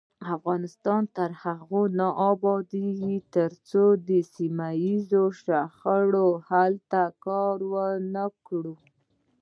افغانستان تر هغو نه ابادیږي، ترڅو د سیمه ییزو شخړو حل ته کار ونکړو.